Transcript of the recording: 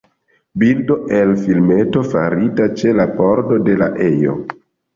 Bildo el filmeto farita ĉe la pordo de la ejo.